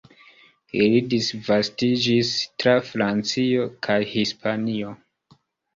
Ili disvastiĝis tra Francio kaj Hispanio.